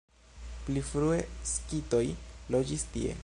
Pli frue skitoj loĝis tie.